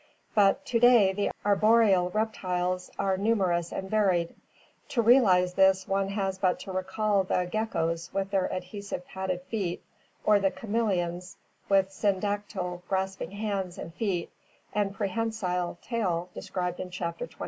But to day the arboreal reptiles are numer ous and varied; to realize this one has but to recall the geckoes with their adhesive padded feet, or the chameleons with syndactyl grasping hands and feet and prehensile tail described in Chapter XXI.